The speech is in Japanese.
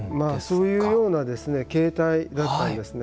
そういうような形態だったんですね。